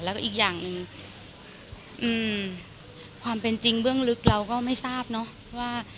แล้วก็อีกอย่างหนึ่งอืมความเป็นจริงเบื้องลึกเราก็ไม่ทราบเนอะว่า